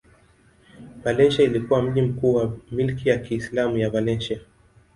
Valencia ilikuwa mji mkuu wa milki ya Kiislamu ya Valencia.